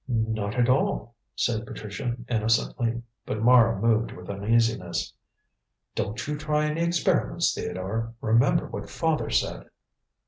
"Not at all," said Patricia innocently; but Mara moved with uneasiness. "Don't you try any experiments, Theodore. Remember what father said."